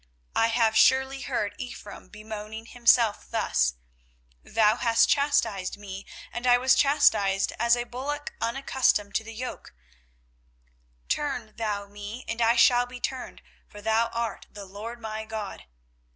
24:031:018 I have surely heard Ephraim bemoaning himself thus; Thou hast chastised me, and I was chastised, as a bullock unaccustomed to the yoke: turn thou me, and I shall be turned; for thou art the LORD my God.